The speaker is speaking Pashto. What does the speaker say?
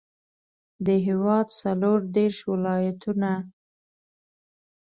د هېواد څلوردېرش ولایتونه.